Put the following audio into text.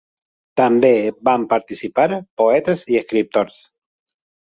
També van participar poetes i escriptors.